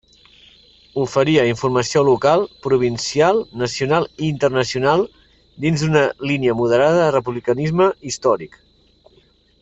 Oferia informació local, provincial, nacional i internacional, dins una línia moderada de republicanisme històric.